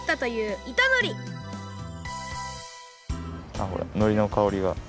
あっほらのりの香りが。